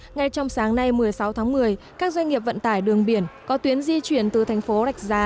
ngay trong sáng nay một mươi sáu tháng một mươi các doanh nghiệp vận tải đường biển có tuyến di chuyển từ thành phố rạch giá